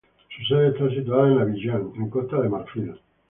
Su sede está situada en Abiyán, en Costa de Marfil.